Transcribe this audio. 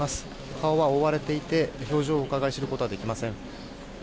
顔は覆われていて表情をうかがい知ることはできません。